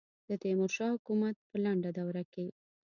د تیمور شاه حکومت په لنډه دوره کې.